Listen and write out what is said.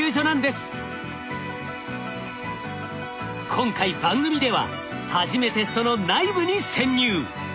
今回番組では初めてその内部に潜入。